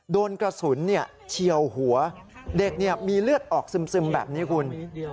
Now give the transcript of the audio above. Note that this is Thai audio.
โดนกระสุนเฉียวหัวเด็กมีเลือดออกซึมแบบนี้คุณ